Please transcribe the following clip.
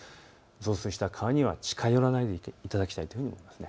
増水した川には近寄らないでいただきたいというふうに思います。